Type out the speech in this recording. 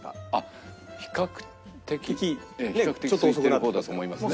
比較的比較的すいてるほうだと思いますね。